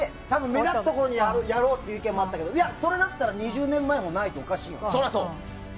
目立つところにやろうという意見もあっただろうけどそれだったら２０年前もないとおかしい。